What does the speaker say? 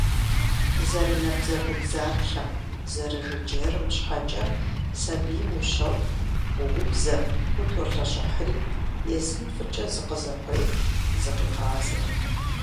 Зэрынабдзэгубдзаплъэм, зэрыжыджэрым щхьэкӀэ сабийм ущотхъу, уоубзэ, утолъэщӀыхьри, езым фӀыкӀэ зыкъызэкъуех, зыкъегъазэ.